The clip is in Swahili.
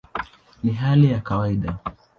Ni hali ya kawaida".